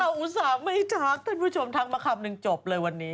อุตส่าห์ไม่ทักท่านผู้ชมทักมาคำหนึ่งจบเลยวันนี้